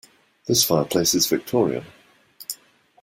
This fireplace is Victorian.